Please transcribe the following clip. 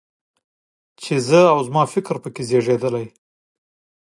چې زه او زما فکر په کې زېږېدلی.